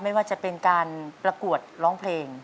ไม่ว่าจะเป็นการประกวดร้องเพลง